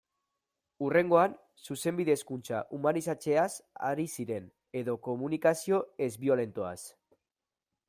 Hurrengoan, Zuzenbide-hezkuntza humanizatzeaz ari ziren, edo komunikazio ez-biolentoaz...